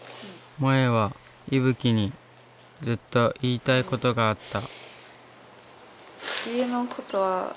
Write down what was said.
もえはいぶきにずっと言いたいことがあった。